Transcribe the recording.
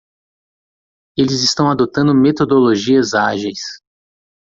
Eles estão adotando metodologias ágeis.